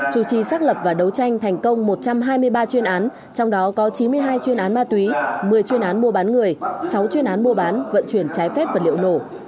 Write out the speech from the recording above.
chủ trì xác lập và đấu tranh thành công một trăm hai mươi ba chuyên án trong đó có chín mươi hai chuyên án ma túy một mươi chuyên án mua bán người sáu chuyên án mua bán vận chuyển trái phép vật liệu nổ